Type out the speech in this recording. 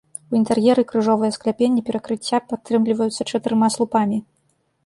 У інтэр'еры крыжовыя скляпенні перакрыцця падтрымліваюцца чатырма слупамі.